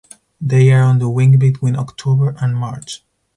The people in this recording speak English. They are on the wing between October and March.